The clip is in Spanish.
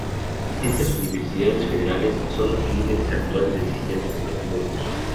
Estas universidades federales son los líderes del actual sistema educativo ruso.